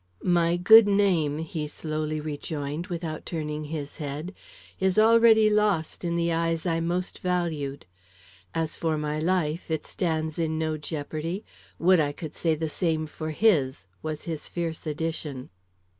"My good name," he slowly rejoined, without turning his head, "is already lost in the eyes I most valued. As for my life, it stands in no jeopardy. Would I could say the same for his!" was his fierce addition.